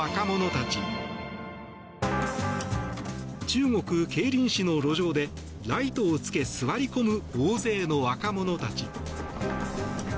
中国・桂林市の路上でライトをつけ座り込む大勢の若者たち。